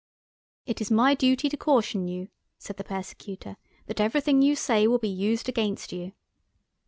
"It is my duty to caution you," said the Persecutor, "that everything you say will be used against you."